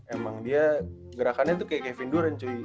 emang dia gerakannya tuh kayak kevin durant cuy